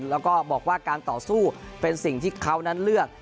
แล้วก็บอกว่าการต่อสู้เป็นสิ่งที่เขานั้นเลือก